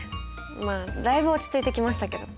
まあだいぶ落ち着いてきましたけど。